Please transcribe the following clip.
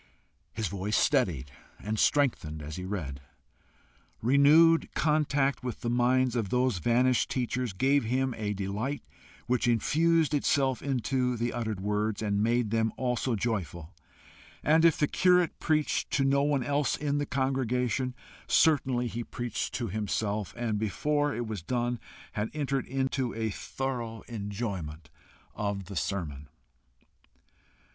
His voice steadied and strengthened as he read. Renewed contact with the minds of those vanished teachers gave him a delight which infused itself into the uttered words, and made them also joyful; and if the curate preached to no one else in the congregation, certainly he preached to himself, and before it was done had entered into a thorough enjoyment of the sermon.